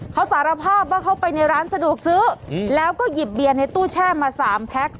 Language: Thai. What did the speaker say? เขาสารภาพว่าเข้าไปในร้านสะดวกซื้อแล้วก็หยิบเบียนในตู้แช่มา๓แพ็ค